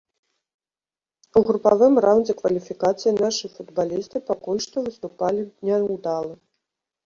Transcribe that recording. У групавым раундзе кваліфікацыі нашы футбалісты пакуль што выступалі няўдала.